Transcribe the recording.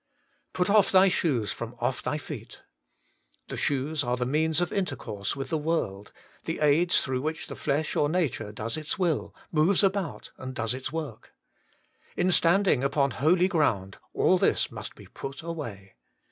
' Put off thy shoes from off thy feet.' The shoes are the means of intercourse with the world, the aids through which the flesh or nature does its will, moves about and does its work. In standing upon holy ground, all this must be put away.